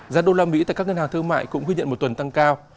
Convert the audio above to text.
giá đô la mỹ tại các ngân hàng thương mại cũng ghi nhận một tuần tăng cao